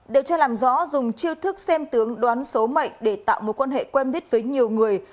điều tra làm rõ dùng chiêu thức xem tướng đoán số mệnh để tạo mối quan hệ quen biết với nhiều người